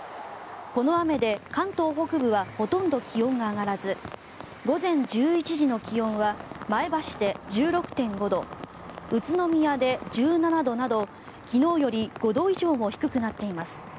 この雨で関東北部はほとんど気温が上がらず午前１１時の気温は前橋で１６．５度宇都宮で１７度など昨日より５度以上も低くなっています。